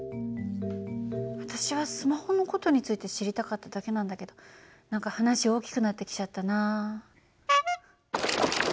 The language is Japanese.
私はスマホの事について知りたかっただけなんだけど何か話大きくなってきちゃったな。